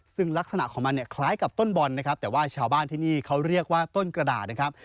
ซึ่งลักษณะของมันเนี่ยคล้ายกับต้นบอลนะครับแต่ว่าชาวบ้านที่นี่เขาเรียกว่าต้นกระดาษนะครับ